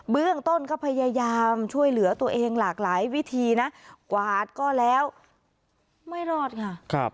เบื้องต้นก็พยายามช่วยเหลือตัวเองหลากหลายวิธีนะกวาดก็แล้วไม่รอดค่ะ